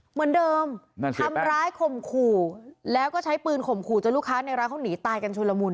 เหมือนเดิมทำร้ายข่มขู่แล้วก็ใช้ปืนข่มขู่จนลูกค้าในร้านเขาหนีตายกันชุลมุน